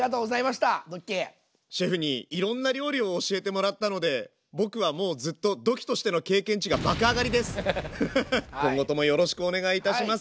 シェフにいろんな料理を教えてもらったので僕はもうずっと今後ともよろしくお願いいたします。